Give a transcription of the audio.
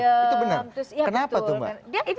itu benar kenapa tuh mbak